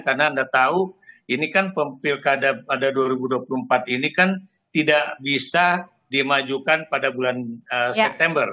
karena anda tahu ini kan pemilkada pada dua ribu dua puluh empat ini kan tidak bisa dimajukan pada bulan september